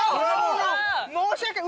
申し訳ない。